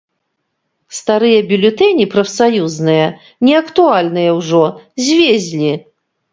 Старыя бюлетэні прафсаюзныя, неактуальныя ўжо, звезлі.